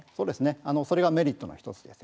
それがメリットの１つです。